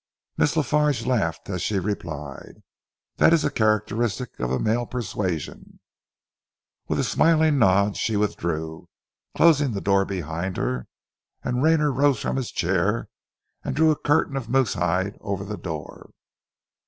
Miss La Farge laughed as she replied, "That is a characteristic of the male persuasion." With a smiling nod she withdrew, closing the door behind her, and Rayner rose from his chair and drew a curtain of moose hide over the door.